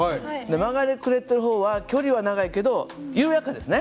曲がりくねってる方は距離は長いけど緩やかですね。